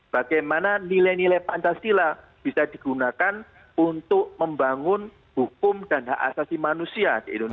bagaimana nilai nilai pancasila bisa digunakan untuk membangun hukum dan hak asasi manusia di indonesia